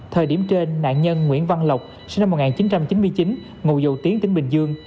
thời điểm trên nạn nhân nguyễn văn lộc sinh năm một nghìn chín trăm chín mươi chín ngụ dầu tiến tỉnh bình dương